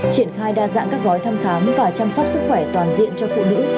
triển khai đa dạng các gói thăm khám và chăm sóc sức khỏe toàn diện cho phụ nữ